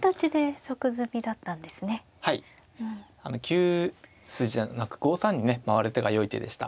９筋じゃなく５三にね回る手がよい手でした。